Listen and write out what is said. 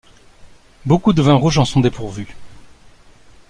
Beaucoup de vins rouges en sont dépourvus.